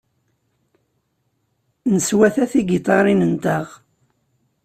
Neswata tigiṭarin-nteɣ.